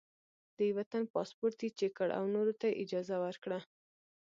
د یوه تن پاسپورټ یې چیک کړ او نورو ته یې اجازه ورکړه.